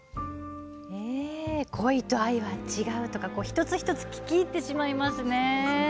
恋と愛は違うとか一つ一つ聞き入ってしまいますね。